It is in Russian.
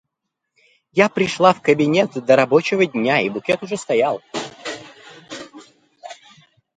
Я пришла в кабинет до рабочего дня, и букет уже стоял.